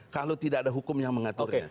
kalau tidak ada hukum yang mengaturnya